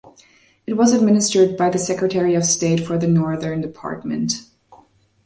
It was administered by the Secretary of State for the Northern Department.